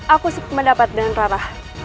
aku sempat mendapatkan rara